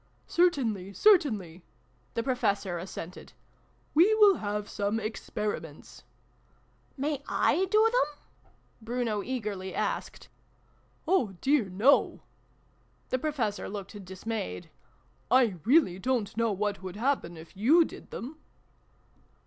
" Certainly, certainly !" the Professor as sented. " We will have some Experiments." " May / do them ?" Bruno eagerly asked. " Oh dear no !" The Professor looked dis mayed. " I really don't know what would happen if you did them